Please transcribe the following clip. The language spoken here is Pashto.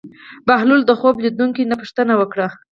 بهلول د خوب لیدونکي نه پوښتنه وکړه.